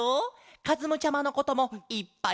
かずむちゃまのこともいっぱいしりたいケロ。